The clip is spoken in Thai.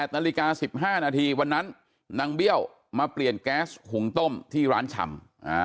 นาฬิกา๑๕นาทีวันนั้นนางเบี้ยวมาเปลี่ยนแก๊สหุงต้มที่ร้านชำ